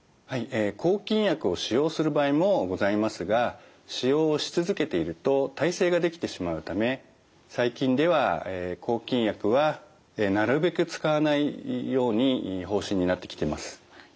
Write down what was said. え抗菌薬を使用する場合もございますが使用をし続けていると耐性ができてしまうため最近では抗菌薬はなるべく使わないように方針になってきてます。